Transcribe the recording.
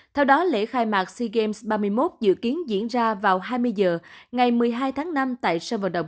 theo đó lễ khai mạc sea games ba mươi một dự kiến diễn ra vào hai mươi h ngày một mươi hai tháng năm tại sân vận động